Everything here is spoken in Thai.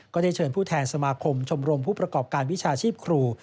ก็ได้เชิญผู้แทนสมาคมชมรมผู้ประกอบการวิชาชีพครู